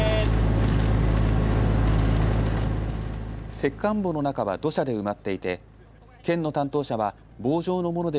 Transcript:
石棺墓の中は土砂で埋まっていて県の担当者は棒状のもので